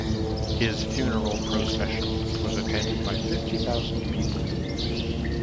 His funeral procession was attended by fifty thousand people.